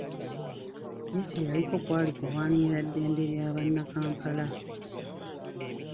Ye kye yaliko kwali kulwanirira ddembe lya Bannakampala .